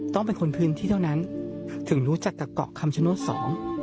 ต้องเป็นคนพื้นที่เท่านั้นถึงรู้จักกับเกาะคำชโนธสอง